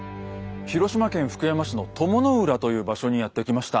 広島県福山市の鞆の浦という場所にやって来ました。